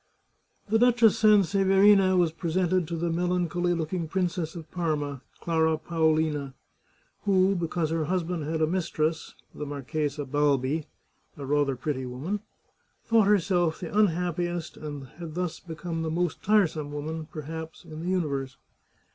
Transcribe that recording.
The Duchess Sanseverina was presented to the melan choly looking Princess of Parma, Clara Paolina, who, be cause her husband had a mistress (the Marchesa Balbi, a rather pretty woman), thought herself the unhappiest, and had thus become the most tiresome woman, perhaps, in the universe.